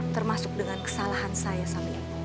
termasuk dengan kesalahan saya sampai